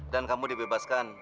dan kamu dibebaskan